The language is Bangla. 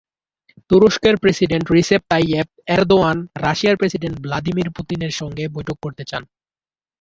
তুরস্কের প্রেসিডেন্ট রিসেপ তাইয়েপ এরদোয়ান রাশিয়ার প্রেসিডেন্ট ভ্লাদিমির পুতিনের সঙ্গে বৈঠক করতে চান।